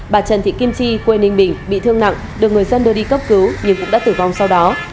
bà trần thị kim chi quê ninh bình bị thương nặng được người dân đưa đi cấp cứu nhưng cũng đã tử vong sau đó